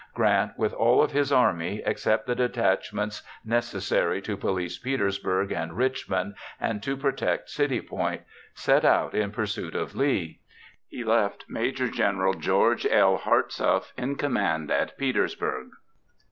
Grant, with all of his army, except the detachments necessary to police Petersburg and Richmond and to protect City Point, set out in pursuit of Lee. He left Maj. Gen. George L. Hartsuff in command at Petersburg.